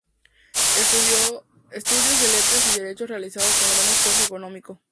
Estudios de letras y Derecho realizados con gran esfuerzo económico.